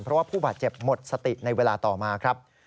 เพราะว่าผู้บาดเจ็บหมดสติในเวลาต่อมาครับ